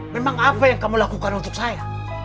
memang apa yang kamu lakukan untuk saya